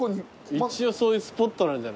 一応そういうスポットなんじゃない？